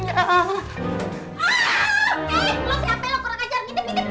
eh lo siapa lo kurang ajar gitu